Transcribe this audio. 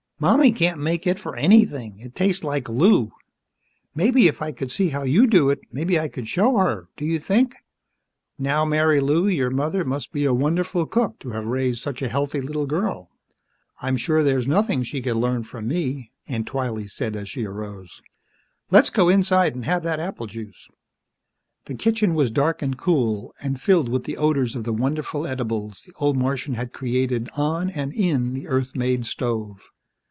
Mommy can't make it for anything it tastes like glue. Maybe, if I could see how you do it, maybe I could show her. Do you think?" "Now, Marilou, your mother must be a wonderful cook to have raised such a healthy little girl. I'm sure there's nothing she could learn from me," Aunt Twylee said as she arose. "Let's go inside and have that apple juice." The kitchen was dark and cool, and filled with the odors of the wonderful edibles the old Martian had created on and in the Earth made stove.